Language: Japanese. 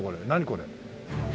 これ。